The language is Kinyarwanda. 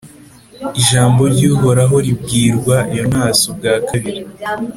ijambo ry’uhoraho ribwirwa yonasi ubwa kabiri